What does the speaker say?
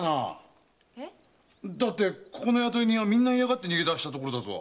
だってここの雇い人はみんな嫌がって逃げ出したところだぞ。